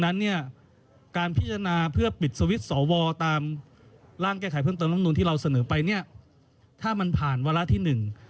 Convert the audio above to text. นั้นเนี่ยการพิจารณาเพื่อปิดสวิตช์สอวอตามร่างแก้ไขเพิ่มเติมลำนูนที่เราเสนอไปเนี่ยถ้ามันผ่านวาระที่หนึ่ง